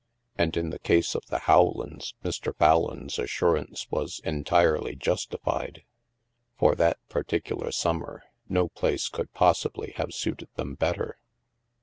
And, in the case of the Rowlands, Mr. Fallon's assurance was entirely justified. For that particular summer, no place could possibly have suited them better.